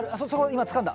今つかんだ。え？